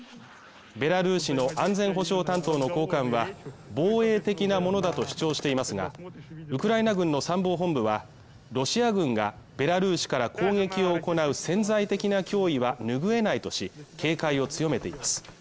ベラルーシの安全保障担当の高官は防衛的なものだと主張していますがウクライナ軍の参謀本部はロシア軍がベラルーシから攻撃を行う潜在的な脅威は拭えないとし警戒を強めています